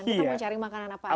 kita mau cari makanan apa aja